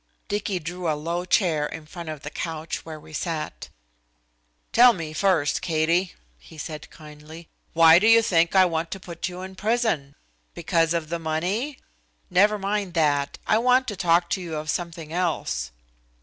Dicky drew a low chair in front of the couch where we sat. "Tell me first, Katie," he said kindly, "why do you think I want to put you in prison? Because of the money? Never mind that. I want to talk to you of something else."